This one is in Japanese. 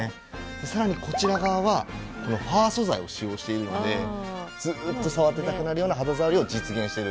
さらにこちら側はファー素材を使用しているのでずーっと触っていたくなるような肌触りを実現してるんですね。